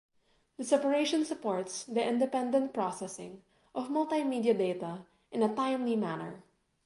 The separation supports the independent processing of multimedia data in a timely manner.